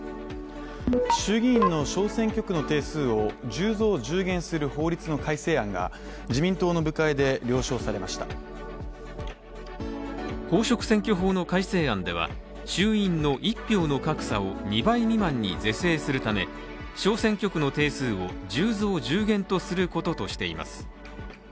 衆議院の小選挙区の定数を１０増１０減する法律の改正案が自民党の部会で了承されました公職選挙法の改正案では衆院の一票の格差を２倍未満に是正するため、小選挙区の定数を１０増１０減とすることとしています。